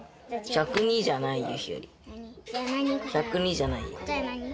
１０２じゃないよ。